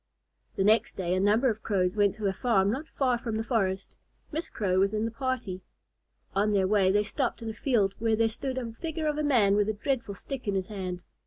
The next day, a number of Crows went to a farm not far from the forest. Miss Crow was in the party. On their way they stopped in a field where there stood a figure of a man with a dreadful stick in his hand.